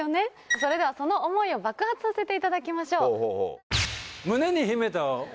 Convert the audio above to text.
それではその想いを爆発させていただきましょう。